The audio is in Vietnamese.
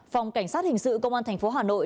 phòng cảnh sát hình sự công an tp hà nội